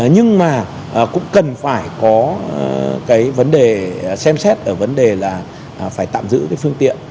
nhưng mà cũng cần phải có cái vấn đề xem xét ở vấn đề là phải tạm giữ cái phương tiện